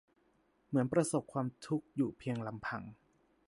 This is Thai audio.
เหมือนประสบความทุกข์อยู่เพียงลำพัง